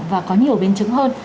và có nhiều biến chứng hơn